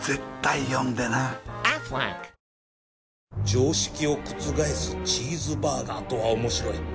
常識を覆すチーズバーガーとは面白い